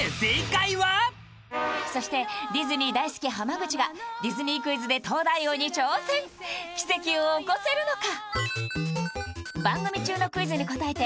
そしてディズニー大好き濱口がディズニークイズで東大王に挑戦奇跡を起こせるのか？